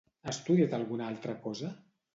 Ha estudiat alguna altra cosa?